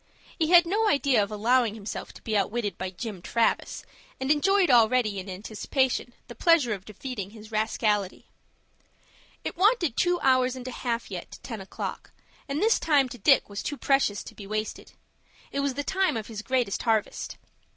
He had no idea of allowing himself to be outwitted by Jim Travis, and enjoyed already, in anticipation, the pleasure of defeating his rascality. It wanted two hours and a half yet to ten o'clock, and this time to Dick was too precious to be wasted. It was the time of his greatest harvest.